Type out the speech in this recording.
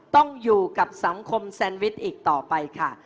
ต้องอยู่กับสังคมแซนวิชอีกต่อไปค่ะ